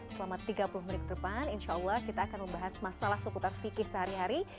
selama tiga puluh menit ke depan insya allah kita akan membahas masalah seputar fikir sehari hari